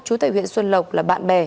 chú tại huyện xuân lộc là bạn bè